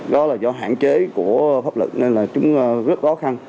đó là do hạn chế của pháp luật nên là chúng rất khó khăn